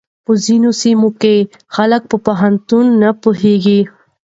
په ځينو سيمو کې خلک په پوهنتون نه پوهېږي.